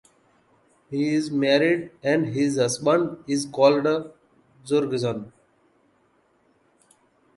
He is married and his husband is called Jurgen.